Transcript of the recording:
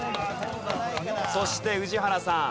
そして宇治原さん。